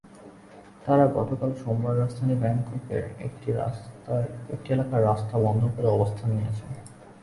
তাঁরা গতকাল সোমবার রাজধানী ব্যাংককের কয়েকটি এলাকার রাস্তা বন্ধ করে অবস্থান নিয়েছেন।